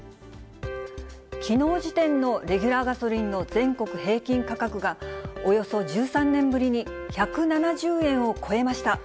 きのう時点のレギュラーガソリンの全国平均価格が、およそ１３年ぶりに１７０円を超えまし